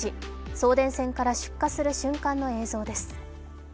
送電線から出火する瞬間の映像です。